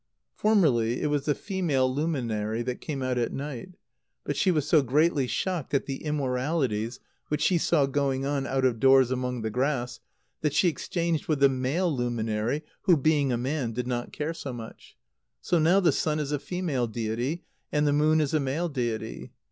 _ Formerly it was the female luminary that came out at night. But she was so greatly shocked at the immoralities which she saw going on out of doors among the grass, that she exchanged with the male luminary, who, being a man, did not care so much. So now the sun is a female deity, and the moon is a male deity.